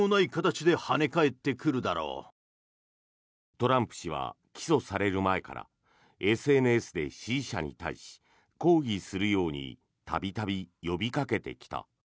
トランプ氏は起訴される前からＳＮＳで支持者に対し抗議するように度々呼びかけてきた。